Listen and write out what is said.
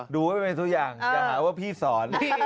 ดูให้เป็นทุกอย่างอย่าหาว่าพี่สอน